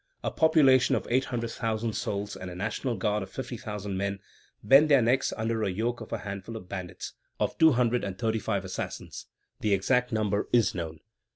A population of eight hundred thousand souls and a National Guard of fifty thousand men bent their necks under the yoke of a handful of bandits, of two hundred and thirty five assassins (the exact number is known).